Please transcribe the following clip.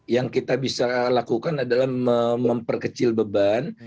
yang kita bisa lakukan adalah memperkecil beban